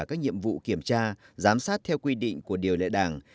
các nhiệm vụ kiểm tra giám sát theo quy định của điều lệ đảng